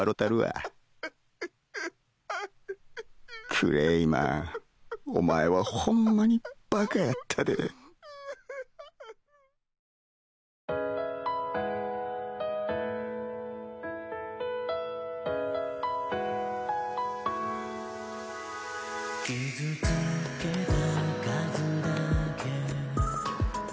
クレイマンお前はホンマにバカやったで終わったな。